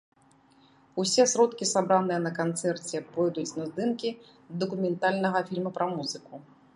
Усе сродкі сабраныя на канцэрце пойдуць на здымкі дакументальнага фільма пра музыку.